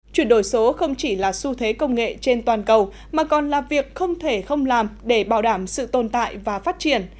chuyển đổi số không chỉ là xu thế công nghệ trên toàn cầu mà còn là việc không thể không làm để bảo đảm sự tồn tại và phát triển